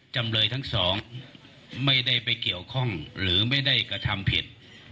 จำเลยทั้งสองไม่ได้ไปเกี่ยวข้องหรือไม่ได้กระทำผิด